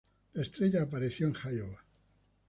La estrella apareció en Iowa.